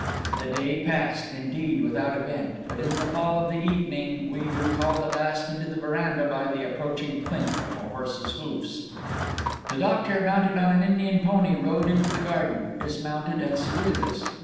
The day passed, indeed, without event; but in the fall of the evening we were called at last into the verandah by the approaching clink of horse's hoofs. The doctor, mounted on an Indian pony, rode into the garden, dismounted, and saluted us.